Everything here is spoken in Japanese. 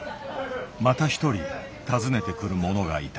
また一人訪ねてくる者がいた。